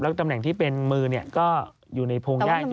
แล้วก็ตำแหน่งที่เป็นมือก็อยู่ในโพงย่าอีกจุดหนึ่ง